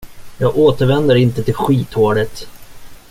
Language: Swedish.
Jag återvänder inte till skithålet!